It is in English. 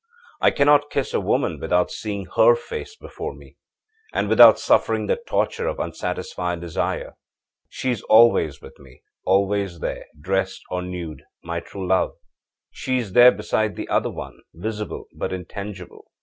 I cannot kiss a woman without seeing her face before me, and without suffering the torture of unsatisfied desire. She is always with me, always there, dressed or nude, my true love. She is there, beside the other one, visible but intangible.